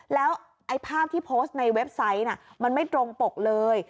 แล้วไอ้ภาพที่โพสต์ในเว็บไซต์มันไม่ตรงปกเลย